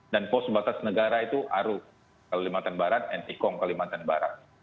dan pos batas negara itu arup kalimantan barat dan ikong kalimantan barat